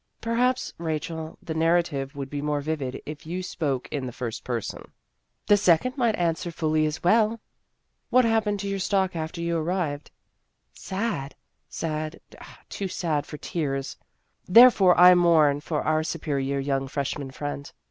" Perhaps, Rachel, the narrative would be more vivid if you spoke in the first person." " The second might answer fully as well." " What happened to your stock after you arrived ?"" Sad sad too sad for tears ! There fore I mourn for our superior young freshman friend.